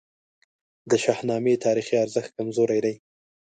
د شاهنامې تاریخي ارزښت کمزوری دی.